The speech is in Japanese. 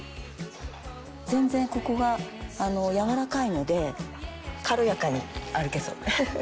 全然ここが柔らかいので軽やかに歩けそう。